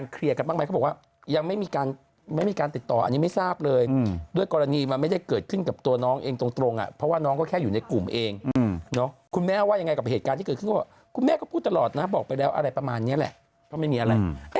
คุณแม่ว่ายังไงกับเหตุการณ์ที่เกิดขึ้นก็บอกคุณแม่ก็พูดตลอดนะบอกไปแล้วอะไรประมาณนี้แหละก็ไม่มีอะไร